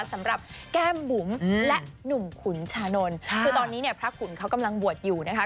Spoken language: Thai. สำหรับแก้มบุ๋มและหนุ่มขุนชานนท์คือตอนนี้เนี่ยพระขุนเขากำลังบวชอยู่นะคะ